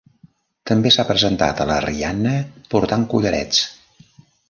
També s'ha presentat a la Rihanna portant collarets.